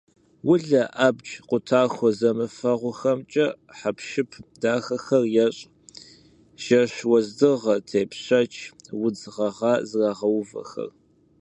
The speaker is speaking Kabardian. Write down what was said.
Улэ абдж къутахуэ зэмыфэгъухэмкӏэ хэпшып дахэхэр ещӏ: жэщ уэздыгъэ, тепщэч, удз гъэгъа зрагъэувэхэр.